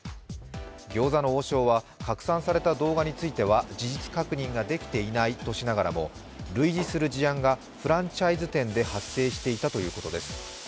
餃子の王将は拡散された動画については事実確認ができていないとしながらも、類似する事案がフランチャイズ店で発生していたということです。